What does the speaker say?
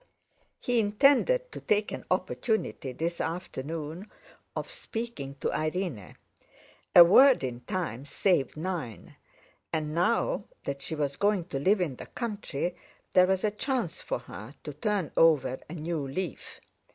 He intended to take an opportunity this afternoon of speaking to Irene. A word in time saved nine; and now that she was going to live in the country there was a chance for her to turn over a new leaf!